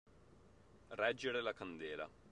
Reggere la candela.